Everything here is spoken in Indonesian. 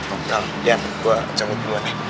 om calon dian gue jemput duluan nih